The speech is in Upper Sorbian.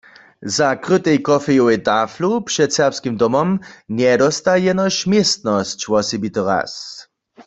Za krytej kofejowej taflu před Serbskim domom njedósta jenož městnosć wosebity raz.